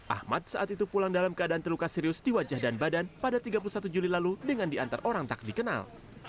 ahmad saat itu pulang dalam keadaan terluka serius di wajah dan badan pada tiga puluh satu juli lalu dengan diantar orang tak dikenal